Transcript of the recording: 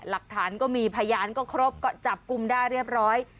หลักฐานก็มีพยานก็ครบก็จับกลุ่มได้เรียบร้อย